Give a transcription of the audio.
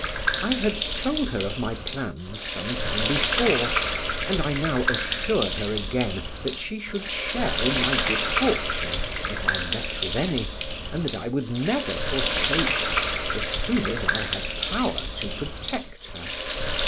I had told her of my plans some time before, and I now assured her again that she should share in my good fortune, if I met with any, and that I would never forsake her as soon as I had power to protect her.